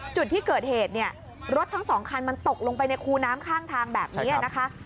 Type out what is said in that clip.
จุดที่เกิดเหตุเนี่ยรถทั้งสองคันมันตกลงไปในคูน้ำข้างทางแบบนี้นะคะ